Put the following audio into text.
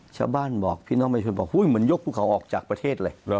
ชาวบ้านบอกพี่น้องไม่ช่วยบอกเฮ้ยเหมือนยกพวกเขาออกจากประเทศเลย